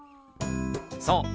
そう。